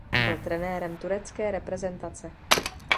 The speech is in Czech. Byl trenérem turecké reprezentace.